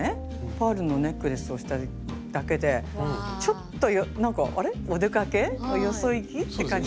パールのネックレスをしたりだけでちょっとなんかあれっお出かけ？よそ行き？って感じになりませんか？